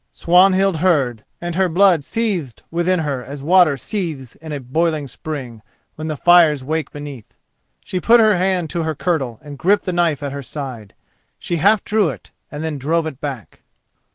Swanhild heard and her blood seethed within her as water seethes in a boiling spring when the fires wake beneath. She put her hand to her kirtle and gripped the knife at her side. She half drew it, then drove it back.